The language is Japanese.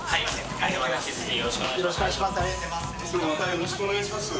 よろしくお願いします。